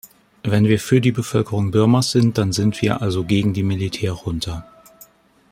Wenn wir für die Bevölkerung Birmas sind, dann sind wir also gegen die Militärjunta.